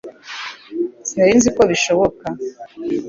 Sinari nzi ko bishoboka